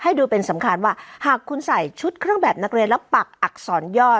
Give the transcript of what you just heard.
ดูเป็นสำคัญว่าหากคุณใส่ชุดเครื่องแบบนักเรียนแล้วปักอักษรย่อ